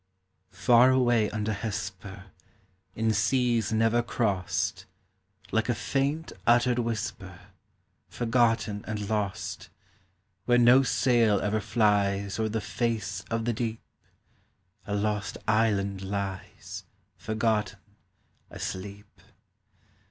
Far away under Hesper, In seas never crossed, Like a faint uttered whisper, Forgotten and lost; Where no sail ever flies Oâer the face of the deep, A lost island lies Forgotten, asleep.